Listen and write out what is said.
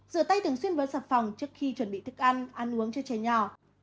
rửa tay thường xuyên với sạc phòng trước khi chuẩn bị thức ăn ăn uống cho trẻ nhỏ